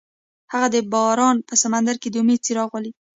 هغه د باران په سمندر کې د امید څراغ ولید.